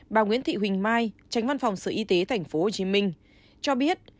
bà nguyễn thị huỳnh mai tránh văn phòng sở y tế tp hcm cho biết